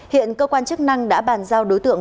hiện cơ quan chức năng đã bàn giao đối tượng